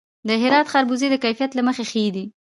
د هرات خربوزې د کیفیت له مخې ښې دي.